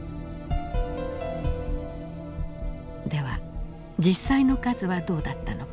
では実際の数はどうだったのか。